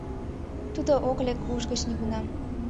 Тудо ок лек уш гыч нигунам.